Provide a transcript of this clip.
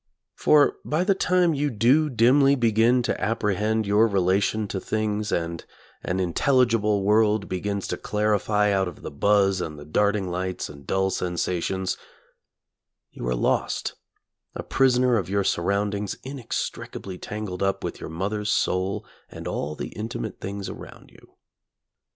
For by the time you do dimly begin to apprehend your relation to things and an intelligible world begins to clarify out of the buzz and the darting lights and dull sensations, you are lost, a prisoner of your surroundings inextricably tangled up with your mother's soul and all the intimate things around you.